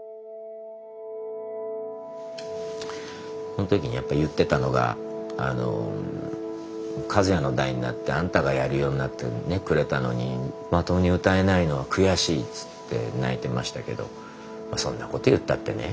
その時にやっぱり言ってたのが「和也の代になってあんたがやるようになってくれたのにまともに歌えないのは悔しい」って泣いてましたけどそんな事言ったってね。